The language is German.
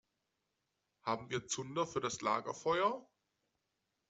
Haben wir Zunder für das Lagerfeuer?